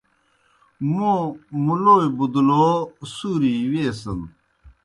موں مُلوئے بُدلوٗ سُوریْ جیْ ویسِن۔